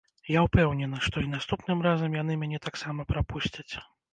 Я ўпэўнена, што і наступным разам яны мяне таксама прапусцяць.